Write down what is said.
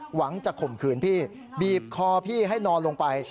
หวังจะข่มขืนพี่บีบคอพี่ให้นอนลงไป